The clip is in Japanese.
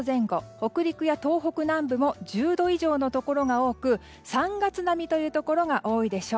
北陸や東北南部も１０度以上のところが多く３月並みというところが多いでしょう。